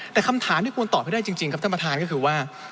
แต่คำถามที่ควรตอบให้ได้จริงครับท่านประธานก็คือว่า